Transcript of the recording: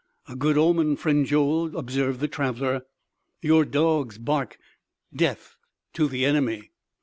"A good omen, friend Joel," observed the traveler. "Your dogs bark death to the enemy."